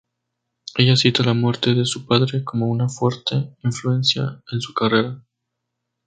Ella cita la muerte de su padre, como una fuerte influencia en su carrera.